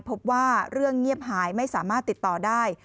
พบว่าเรื่องเงียบหายไม่สามารถติดต่อได้